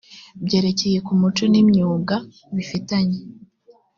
byerekeye ku muco n imyuga bifitanye